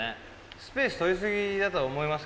スペース取り過ぎだと思います